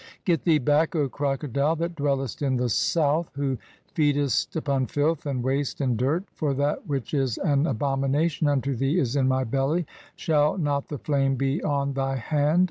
"Get thee back, O Crocodile that dwellest in the South, who 'feedest upon filth, and waste, and dirt, for that which is an 'abomination unto thee is in my belly ; shall not the flame be 'on thy hand